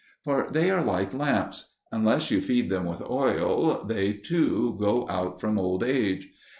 For they are like lamps: unless you feed them with oil, they too go out from old age.